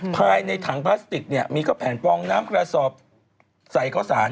ภายในถังพลาสติกเนี่ยมีก็แผ่นปองน้ำกระสอบใส่ข้าวสาร